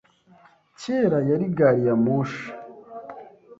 Kera yari gari ya moshi